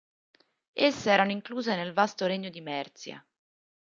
Esse erano incluse nel vasto regno di Mercia.